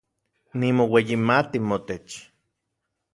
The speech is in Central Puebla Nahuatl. Nimoueyimati motech